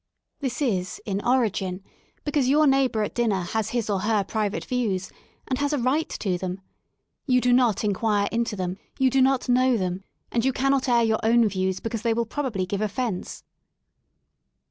This is, in origin, because your neighbour at dinner has his or her private views, and has a right to them. You do not enquire into them, you do not know them, and you cannot air your own views because they will probably give offence.